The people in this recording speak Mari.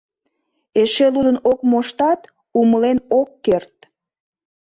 Эше лудын ок моштат, умылен ок керт.